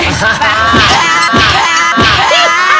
ไป